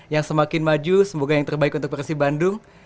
yang semakin maju semoga yang terbaik untuk persib bandung